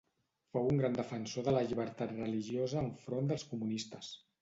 Fou un gran defensor de la llibertat religiosa enfront dels comunistes.